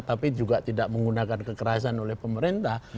tapi juga tidak menggunakan kekerasan oleh pemerintah